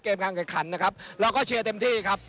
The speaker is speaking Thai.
การแข่งขันนะครับเราก็เชียร์เต็มที่ครับ